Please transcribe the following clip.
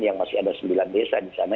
yang masih ada sembilan desa di sana